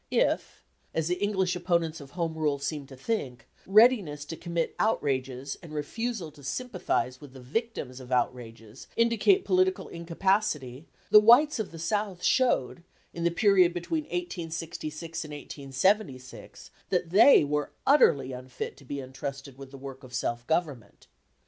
If, as the English opponents of Home Rule seem to think, readiness to commit outrages, and refusal to sympathize with the victims of outrages, indicate political incapacity, the whites of the South showed, in the period between 1866 and 1876, that they were utterly unfit to be entrusted with the work of self government.